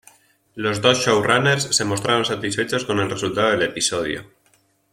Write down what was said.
Los dos show runners se mostraron satisfechos con el resultado del episodio.